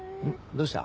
どうした？